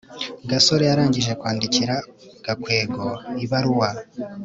gasore arangije kwandikira gakwego ibaruwa